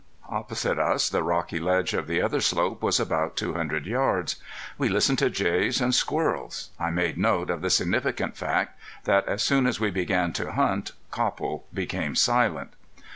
Opposite us the rocky edge of the other slope was about two hundred yards. We listened to jays and squirrels. I made note of the significant fact that as soon as we began to hunt Copple became silent.